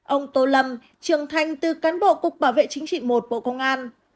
ông tô lâm trưởng thành từ cán bộ cục bảo vệ chính trị một bộ công an